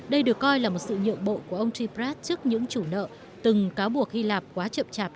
đây được coi là một sự nhượng bộ của ông tiprat trước những chủ nợ từng cáo buộc hy lạp quá chậm chạp